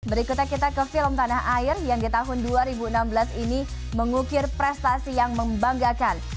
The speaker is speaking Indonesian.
berikutnya kita ke film tanah air yang di tahun dua ribu enam belas ini mengukir prestasi yang membanggakan